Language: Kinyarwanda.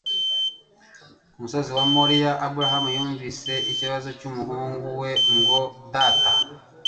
Ku musozi wa Moriya, Aburahamu yumvise ikibazo cy'umuhungu we ngo :« Data !..,